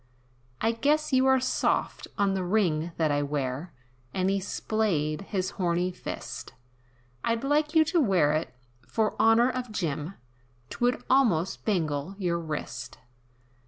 "I guess you are soft, on the ring that I wear," And he 'splayed his horney fist, "I'd like you to wear it, for honor of Jim, 'Twould almost bangle your wrist!